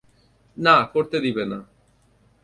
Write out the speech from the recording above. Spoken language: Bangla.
না, করতে দিবে না।